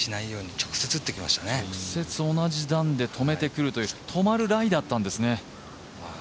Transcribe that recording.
直接同じ段で止めてくるという、止めるライだったんですね。